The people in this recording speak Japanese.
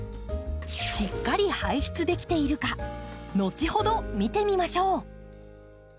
しっかり排出できているか後ほど見てみましょう！